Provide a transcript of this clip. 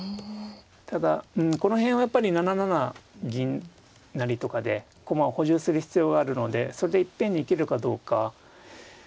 ただこの辺はやっぱり７七銀成とかで駒を補充する必要があるのでそれでいっぺんに行けるかどうか。